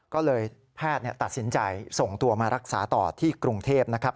ก็เลยแพทย์ตัดสินใจส่งตัวมารักษาต่อที่กรุงเทพนะครับ